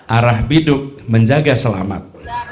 arah biduk menjaga selamat